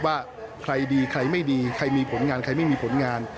ว่าใครดีใครไม่ดีใครมีผลงานใครไม่มีผลงาน